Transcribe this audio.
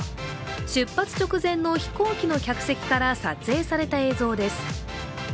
出発直前の飛行機の客席から撮影された映像です。